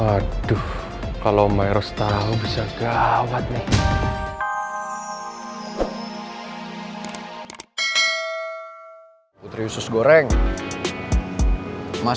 ibu bakalan restuin hubungan kita berdua